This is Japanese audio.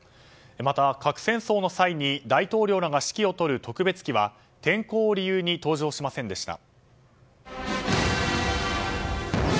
また核戦争の際に大統領らが指揮を執る特別機は天候を理由に登場しませんでした。